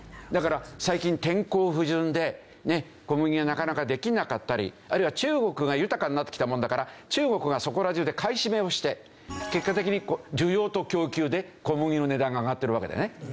だから最近天候不順で小麦がなかなかできなかったりあるいは中国が豊かになってきたもんだから中国がそこら中で買い占めをして結果的に需要と供給で小麦の値段が上がってるわけだよね。